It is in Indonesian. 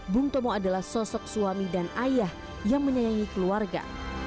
bung tomo adalah sosok suami dan ayah yang menyayangi keluarga